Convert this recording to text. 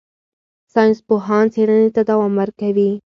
ساینسپوهان څېړنې ته دوام ورکوي.